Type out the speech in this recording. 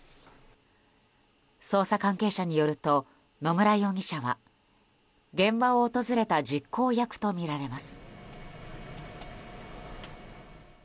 捜査関係者によると野村容疑者は現場を訪れた実行役とみられます。